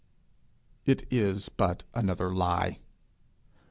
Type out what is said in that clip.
It is but another lie.